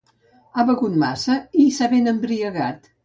Ha begut massa, i s'ha ben embriagat.